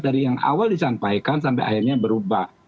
dari yang awal disampaikan sampai akhirnya berubah